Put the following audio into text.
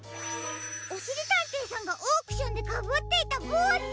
おしりたんていさんがオークションでかぶっていたぼうし！